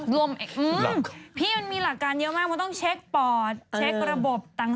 พี่มันมีหลักการเยอะมากมันต้องเช็คปอดเช็คระบบต่าง